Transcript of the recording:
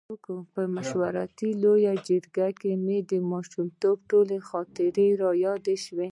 په مشورتي لویه جرګه کې مې د ماشومتوب ټولې خاطرې یادې شوې.